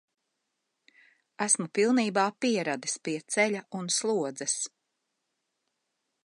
Esmu pilnībā pieradis pie ceļa un slodzes.